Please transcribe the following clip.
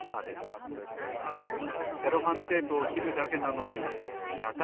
セロハンテープをきるだけなのにやたらとおもいんですよねえ。